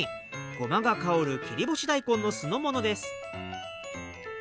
ごまが香る切り干し大根の酢の物です。